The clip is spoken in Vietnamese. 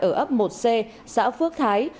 ở ấp một c xã phước thái